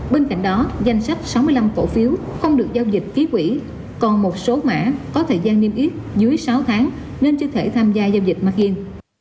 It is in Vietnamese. bên cạnh đó danh sách sáu mươi năm cổ phiếu không được giao dịch ký quỷ còn một số mã có thời gian niêm yết dưới sáu tháng nên chưa thể tham gia giao dịch markin